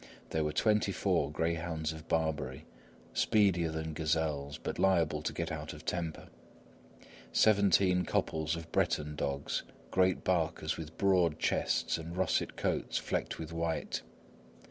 There were twenty four greyhounds of Barbary, speedier than gazelles, but liable to get out of temper; seventeen couples of Breton dogs, great barkers, with broad chests and russet coats flecked with white.